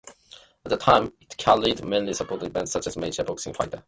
At the time it carried mainly sporting events, such as major boxing fights.